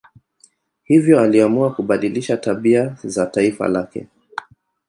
Hivyo aliamua kubadilisha tabia za taifa lake.